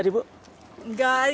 sempat megang tadi bu